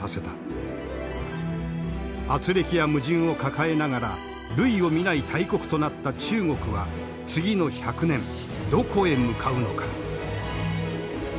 あつれきや矛盾を抱えながら類を見ない大国となった中国は次の１００年どこへ向かうのか。